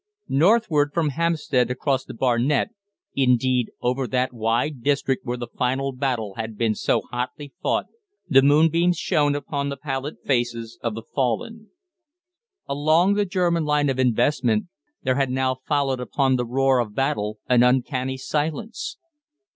Northward, from Hampstead across to Barnet indeed, over that wide district where the final battle had been so hotly fought the moonbeams shone upon the pallid faces of the fallen. Along the German line of investment there had now followed upon the roar of battle an uncanny silence.